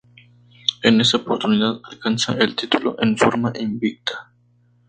En esa oportunidad alcanza el título en forma invicta.